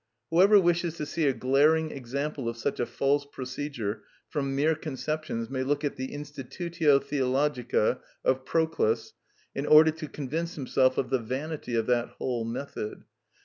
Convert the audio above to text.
Whoever wishes to see a glaring example of such a false procedure from mere conceptions may look at the "Institutio Theologica" of Proclus in order to convince himself of the vanity of that whole method.